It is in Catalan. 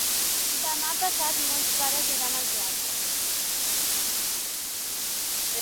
Demà passat mons pares iran al teatre.